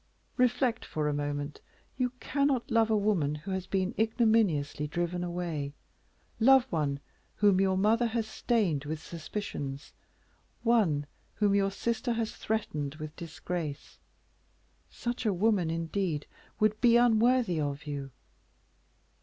Reflect for a moment; you cannot love a woman who has been ignominiously driven away love one whom your mother has stained with suspicions; one whom your sister has threatened with disgrace; such a woman, indeed, would be unworthy of you."